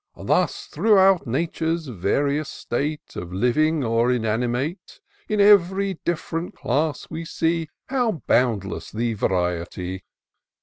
Thus, throughout Nature's various state, Of living or inanimate. In ev'ry diflTrent class we see How boundless the variety